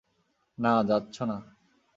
না, যাচ্ছো না।